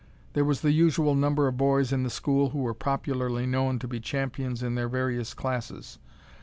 There was the usual number of boys in the school who were popularly known to be champions in their various classes.